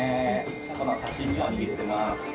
シャコの刺し身を握ってます。